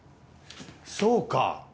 そうか！